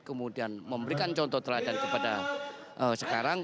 kemudian memberikan contoh teladan kepada sekarang